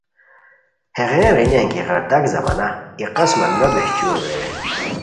ہیغین رینیان کی غیر داک زمانہ ای قسمہ نو بہچور رے